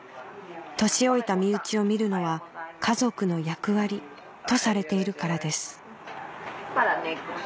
年老いた身内を見るのは家族の役割とされているからです